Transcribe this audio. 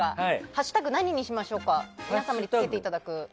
ハッシュタグ何にしましょうか皆様につけていただく。